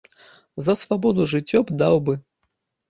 За свабоду жыццё б даў бы!